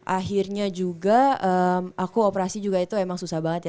akhirnya juga aku operasi juga itu emang susah banget ya